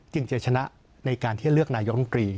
จะชนะในการที่จะเลือกนายกรรมตรี